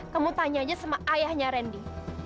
kamu tanya aja sama ayahnya randy